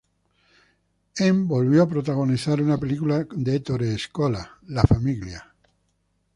En volvió a protagonizar una película de Ettore Scola, "La famiglia".